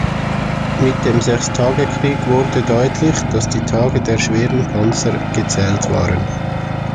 Mit dem Sechstagekrieg wurde deutlich, dass „die Tage der schweren Panzer gezählt waren“.